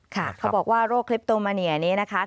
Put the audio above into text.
เขาบอกว่าโรคคลิปโตมาเนียนี้นะคะ